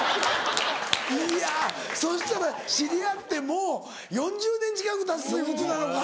いやそしたら知り合ってもう４０年近くたつということなのか。